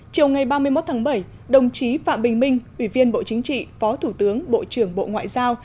chiều ngày ba mươi một tháng bảy đồng chí phạm bình minh ủy viên bộ chính trị phó thủ tướng bộ trưởng bộ ngoại giao